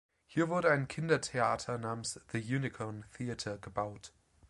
Hier wurde ein Kindertheater namens The Unicorn Theatre gebaut.